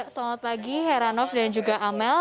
selamat pagi heranov dan juga amel